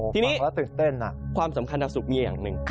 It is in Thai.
ทีนี้ความสำคัญของดาวสุกมีอย่างหนึ่ง